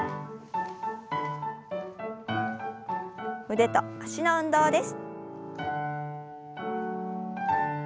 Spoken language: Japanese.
腕と脚の運動です。